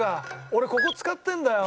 俺ここ使ってるんだよ。